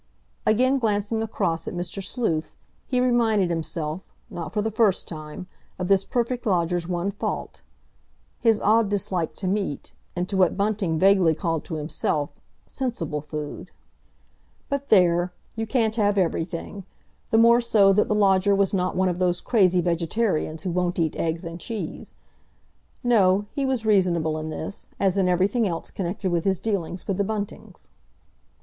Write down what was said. Again glancing across at Mr. Sleuth, he reminded himself, not for the first time, of this perfect lodger's one fault—his odd dislike to meat, and to what Bunting vaguely called to himself, sensible food. But there, you can't have everything! The more so that the lodger was not one of those crazy vegetarians who won't eat eggs and cheese. No, he was reasonable in this, as in everything else connected with his dealings with the Buntings.